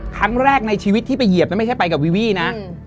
ครั้งแรกในชีวิตที่ไปเหยียบนั้นไม่ใช่ไปกับวีวี่นะ